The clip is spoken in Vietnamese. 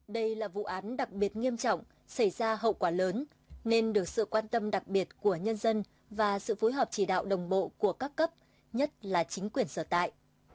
đây là vụ án đặc biệt nghiêm trọng xảy ra hậu quả lớn nên được sự quan tâm đặc biệt của nhân dân và sự phối hợp chỉ đạo đồng bộ của các cấp nhất là chính quyền sở tại